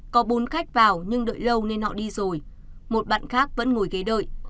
có bốn khách vào nhưng đợi lâu nên họ đi rồi một bạn khác vẫn ngồi ghế đợi